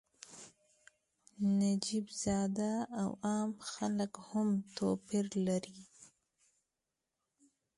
نجیب زاده او عام خلک هم توپیر لري.